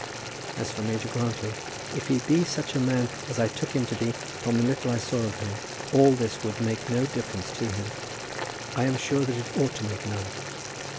As for Major Grantly, if he be such a man as I took him to be from the little I saw of him, all this would make no difference to him. I am sure that it ought to make none.